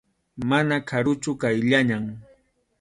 Mana karuchu, qayllallam.